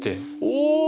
おお！